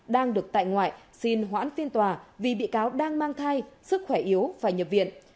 đang được tại ngoại xin hoãn phiên tòa vì bị cáo đang mang thai sức khỏe yếu phải nhập viện